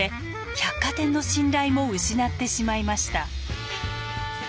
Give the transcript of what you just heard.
百貨店の信頼も失ってしまいました。